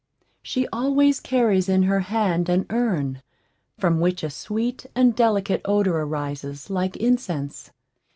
She always carries in her hand an urn, from which a sweet and delicate odor arises like incense.